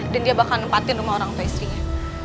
dan dia bakal nempatin rumah orang tua istrinya